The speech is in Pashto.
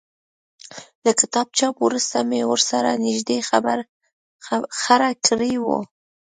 له کتاب چاپ وروسته مې ورسره نږدې خړه کړې وه.